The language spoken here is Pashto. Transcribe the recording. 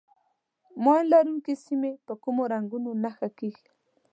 ماین لرونکي سیمې په کومو رنګونو نښه کېږي.